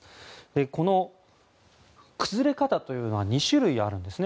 この崩れ方というのは２種類あるんですね。